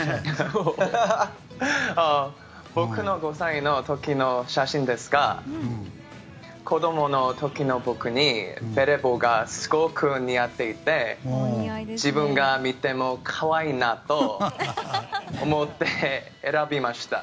僕の５歳の時の写真ですが子供の時の僕にベレー帽がすごく似合っていて自分が見ても可愛いなと思って、選びました。